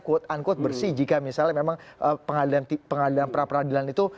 quote unquote bersih jika misalnya memang pengadilan pra peradilan itu